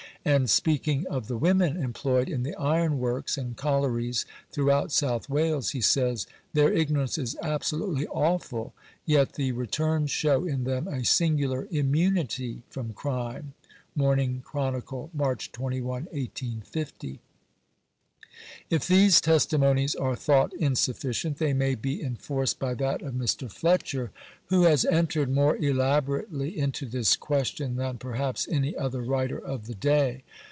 And, speaking of the women employed in the iron works and collieries throughout South Wales, he says —" their ignorance is absolutely awful ; yet the returns show in them a singular immunity from crime." — Morning Chronicle, March 21, 1850. If these testimonies are thought insufficient, they may be en forced by that of Mr. Fletcher, who has entered more elaborately into this question than perhaps any other writer of the day.